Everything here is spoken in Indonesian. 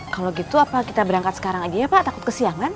kalau gitu apa kita berangkat sekarang aja ya pak takut ke siang kan